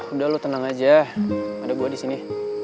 udah lo tenang aja ada gue di sini